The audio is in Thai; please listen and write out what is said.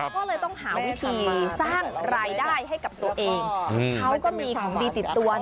ก็เลยต้องหาวิธีสร้างรายได้ให้กับตัวเองเขาก็มีของดีติดตัว